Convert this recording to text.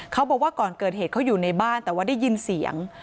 เขาบอกว่าก่อนเกิดเหตุเขาอยู่ในบ้านแต่ว่าได้ยินเสียง